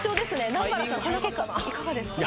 南原さんこの結果いかがですか？